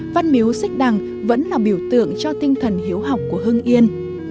văn miếu xích đằng vẫn là biểu tượng cho tinh thần hiếu học của hưng yên